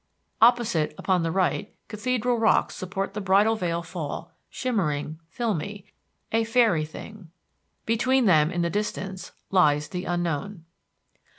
Opposite upon the right Cathedral Rocks support the Bridal Veil Fall, shimmering, filmy, a fairy thing. Between them, in the distance, lies the unknown.